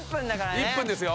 １分ですよ。